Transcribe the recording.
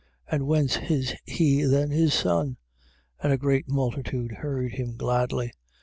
And whence is he then his son? And a great multitude heard him gladly.